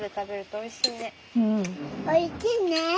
おいしいね。